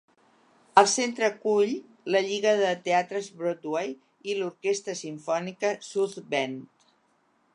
El centre acull la lliga de Teatres Broadway i l'orquestra simfònica South Bend.